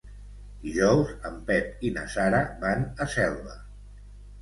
Dijous en Pep i na Sara van a Selva.